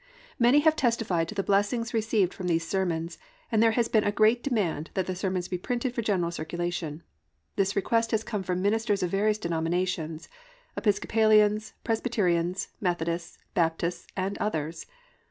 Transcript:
Many have testified to the blessing received from these sermons, and there has been a great demand that the sermons be printed for general circulation. This request has come from ministers of various denominations, Episcopalians, Presbyterians, Methodists, Baptists, and others.